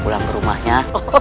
pulang ke rumahnya